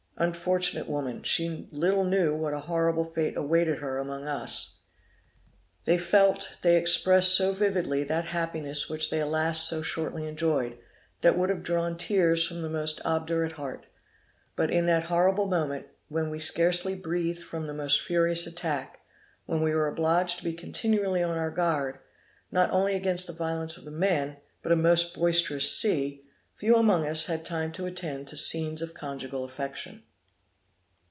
Unfortunate woman! she little knew what a horrible fate awaited her among us! They felt, they expressed so vividly that happiness which they alas so shortly enjoyed, that would have drawn tears from the most obdurate heart. But in that horrible moment, when we scarcely breathed from the most furious attack, when we were obliged to be continually on our guard, not only against the violence of the men, but a most boisterous sea, few among us had time to attend to scenes of conjugal affection.